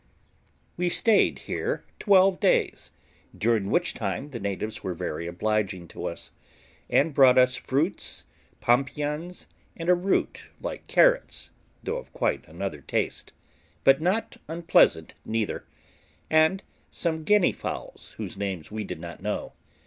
We stayed here twelve days, during which time the natives were very obliging to us, and brought us fruits, pompions, and a root like carrots, though of quite another taste, but not unpleasant neither, and some guinea fowls, whose names we did not know.